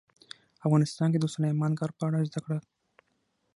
افغانستان کې د سلیمان غر په اړه زده کړه.